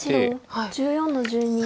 白１４の十二。